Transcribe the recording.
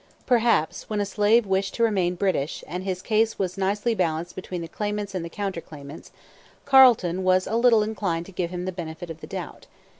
Perhaps, when a slave wished to remain British, and his case was nicely balanced between the claimants and the counter claimants, Carleton was a little inclined to give him the benefit of the doubt.